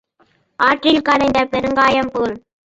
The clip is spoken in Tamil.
ஆற்றில் கரைத்த பெருங்காயம் போல்.